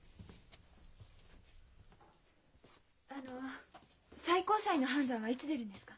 あの最高裁の判断はいつ出るんですか？